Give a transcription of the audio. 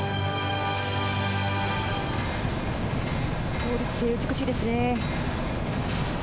倒立性、美しいですね。